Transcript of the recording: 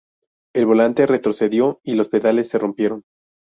El volante retrocedió, y los pedales se rompieron.